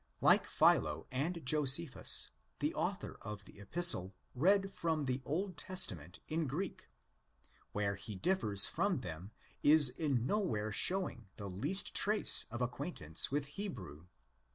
Like Philo and Josephus, the author of the Epistle read the Old Testament in Greek; where he differs from them is in nowhere showing the least trace of acquaintance with Hebrew.